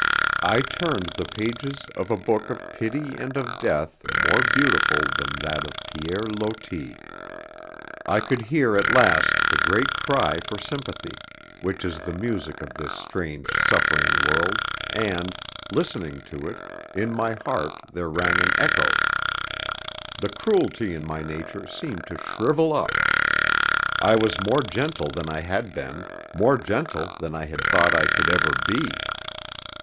I turned the pages of a book of pity and of death more beautiful than that of Pierre Loti. I could hear at last the great cry for sympathy, which is the music of this strange suffering world, and, listening to it, in my heart there rang an echo. The cruelty in my nature seemed to shrivel up. I was more gentle than I had been, more gentle than I had thought I could ever be.